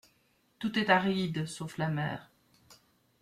Tout est aride, sauf la mer.